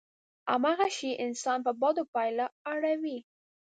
هماغه شی انسان په بدو پايلو اړوي.